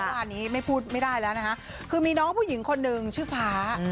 เมื่อวานนี้ไม่พูดไม่ได้แล้วนะคะคือมีน้องผู้หญิงคนหนึ่งชื่อฟ้า